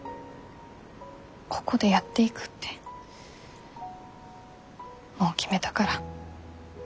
ここでやっていくってもう決めたから。